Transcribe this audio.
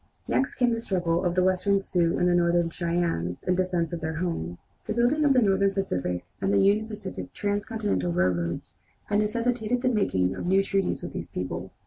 Next came the struggle of the Western Sioux and Northern Cheyennes in defence of their homes. The building of the Northern Pacific and the Union Pacific transcontinental railroads had necessitated the making of new treaties with these people.